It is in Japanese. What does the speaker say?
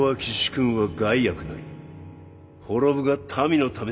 滅ぶが民のためなり。